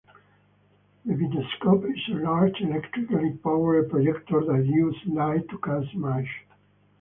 The Vitascope is a large electrically-powered projector that uses light to cast images.